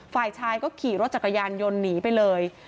ฝ่ายชายก็ขี่รถจักรยานยนต์หนีไปเลย